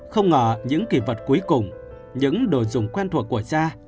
không ngờ những kỳ vật cuối cùng những đồ dùng quen thuộc của gia